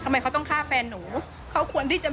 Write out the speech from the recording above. ที่มันก็มีเรื่องที่ดิน